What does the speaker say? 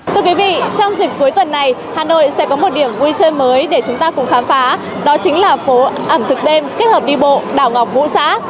thưa quý vị trong dịp cuối tuần này hà nội sẽ có một điểm vui chơi mới để chúng ta cùng khám phá đó chính là phố ẩm thực đêm kết hợp đi bộ đảo ngọc vũ xã